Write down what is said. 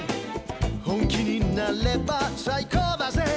「本気になれば最高だぜ」